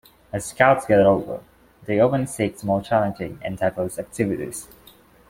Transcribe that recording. As Scouts get older, they often seek more challenging and diverse activities.